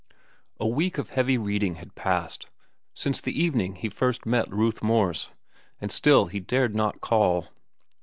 A week of heavy reading had passed since the evening he first met Ruth Morse, and still he dared not call.